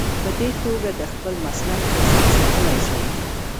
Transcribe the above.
په دې توګه د خپل مسلک عزت ساتلی شي.